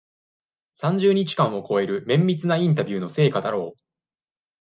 三十日間を超える、綿密なインタビューの成果だろう。